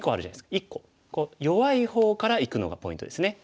１個弱い方からいくのがポイントですね。